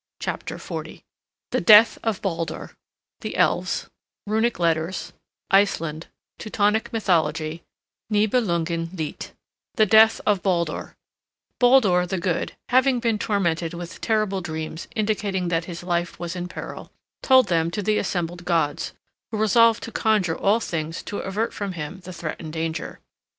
CHAPTER XL THE DEATH OF BALDUR THE ELVES RUNIC LETTERS ICELAND TEUTONIC MYTHOLOGY NIBELUNGEN LIED THE DEATH OF BALDUR Baldur the Good, having been tormented with terrible dreams indicating that his life was in peril, told them to the assembled gods, who resolved to conjure all things to avert from him the threatened danger.